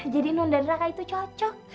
jadi non dan raka itu cocok